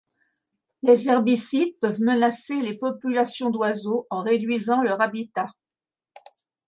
Les herbicides peuvent menacer les populations d'oiseaux en réduisant leur habitat.